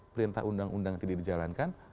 perintah undang undang tidak dijalankan